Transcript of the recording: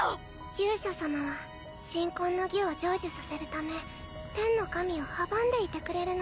勇者様は神婚の儀を成就させるため天の神を阻んでいてくれるのです。